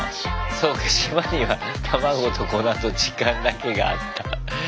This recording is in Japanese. そうか島には卵と粉と時間だけがあった。